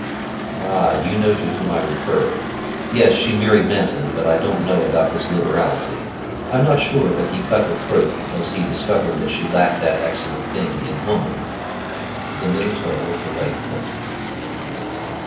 "Ah, you know to whom I refer. Yes, she married Manton, but I don't know about his liberality; I'm not sure but he cut her throat because he discovered that she lacked that excellent thing in woman, the middle toe of the right foot."